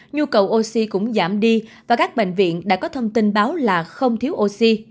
nhu cầu oxy cũng giảm đi và các bệnh viện đã có thông tin báo là không thiếu oxy